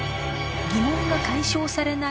疑問が解消されない